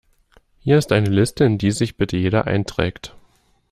Hier ist eine Liste, in die sich bitte jeder einträgt.